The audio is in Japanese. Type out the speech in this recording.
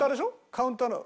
カウンターなの？